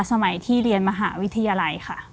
สมัยที่เรียนมหาวิทยาลัยค่ะ